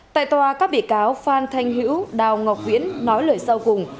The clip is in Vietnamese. tại tòa các bị cáo phan thanh hữu đào ngọc viễn nói lời sau cùng